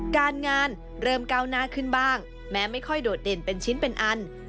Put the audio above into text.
การงานเริ่มก้าวหน้าขึ้นบ้างแม้ไม่ค่อยโดดเด่นเป็นชิ้นเป็นอัน